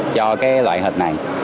cho cái loại hình này